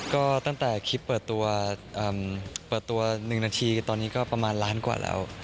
ก็ตั้งแต่คลิปเปิดตัวเปิดตัว๑นาทีตอนนี้ก็ประมาณล้านกว่าแล้ว